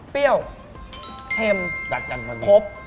เปรี้ยวเท็มครบ